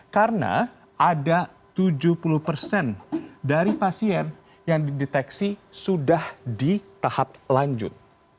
karena ada tujuh puluh persen dari pasien yang dideteksi sudah di tahap lanjut